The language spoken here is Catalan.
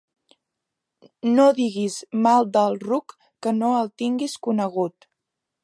No diguis mal del ruc que no el tinguis conegut.